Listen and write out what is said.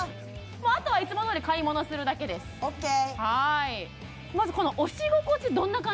もうあとはいつもどおり買い物するだけですはいＯＫ！